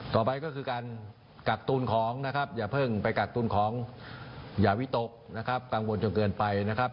ต่อไปก็คือการกักตุนของนะครับอย่าเพิ่งไปกักตุลของอย่าวิตกนะครับกังวลจนเกินไปนะครับ